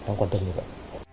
nó quan tâm nhiều lắm